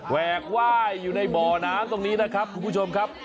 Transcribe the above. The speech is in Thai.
แวกไหว้อยู่ในบ่อน้ำตรงนี้นะครับคุณผู้ชมครับ